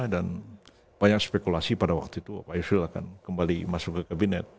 banyak spekulasi pada waktu itu pak yusril akan kembali masuk ke kabinet